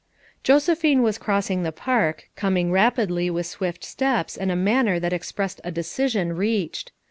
Josephine was crossing the park, coming rap idly with swift steps and a manner that ex pressed a decision reached.